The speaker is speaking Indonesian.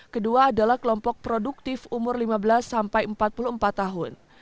kedua adalah kelompok produktif umur lima belas sampai empat puluh empat tahun